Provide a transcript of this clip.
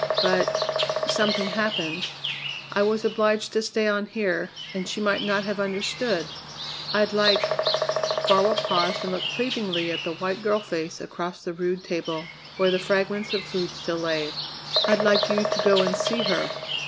But something happened. I was obliged to stay on here, and she might not have understood. I'd like " Farwell paused and looked pleadingly at the white girl face across the rude table, where the fragments of food still lay: "I'd like you to go and see her.